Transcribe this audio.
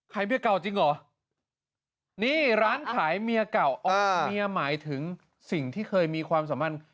เมียเก่าจริงเหรอนี่ร้านขายเมียเก่าอ๋อเมียหมายถึงสิ่งที่เคยมีความสัมพันธ์